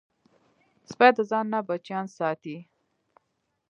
سپي د ځان نه بچیان ساتي.